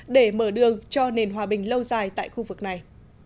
để mở đường cho nền hòa bình lâu dài tại khu vực này